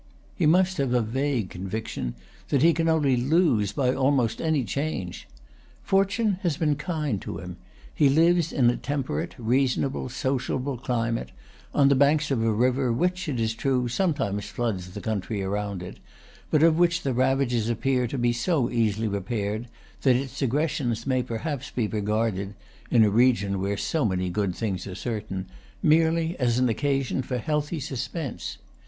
He must have a vague conviction that he can only lose by almost any change. Fortune has been kind to him: he lives in a temperate, reasonable, sociable climate, on the banks, of a river which, it is true, sometimes floods the country around it, but of which the ravages appear to be so easily repaired that its aggressions may perhaps be regarded (in a region where so many good things are certain) merely as an occasion for healthy suspense.